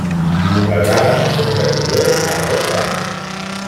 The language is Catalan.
Les ales són de color marró clar.